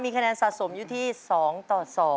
คะแนนสะสมอยู่ที่๒ต่อ๒